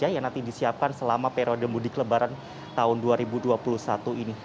yang nanti disiapkan selama periode mudik lebaran tahun dua ribu dua puluh satu ini